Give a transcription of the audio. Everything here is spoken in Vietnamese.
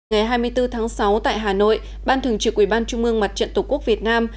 ngày hai mươi bốn tháng sáu tại hà nội ban thường trực ủy ban trung mương mặt trận tổ quốc việt nam